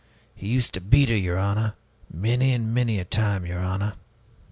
He used to beat her, your honor, many and many a time, your honor!